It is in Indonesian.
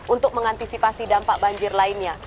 untuk mengantisipasi dampak banjir lainnya